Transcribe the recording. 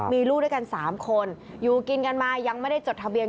มีลูกด้วยกัน๓คนอยู่กินกันมายังไม่ได้จดทะเบียน